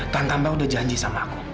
tanpa udah janji sama aku